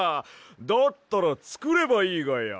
だったらつくればいいがや。